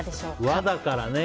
和だからね。